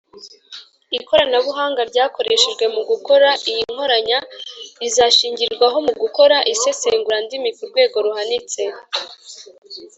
Ikoranabuhanga ryakoreshejwe mugukora iyi nkoranya rizashingirwaho mu gukora isesengurandimi ku rwego ruhanitse